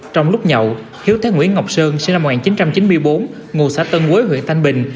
trong lúc nhậu hiếu thế nguyễn ngọc sơn sinh năm một nghìn chín trăm chín mươi bốn ngụ xã tân quế huyện thanh bình